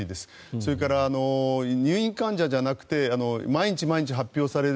それから入院患者じゃなくて毎日毎日発表される